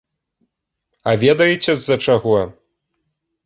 А ведаеце з-за чаго?